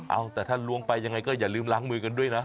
เอาแต่ถ้าล้วงไปยังไงก็อย่าลืมล้างมือกันด้วยนะ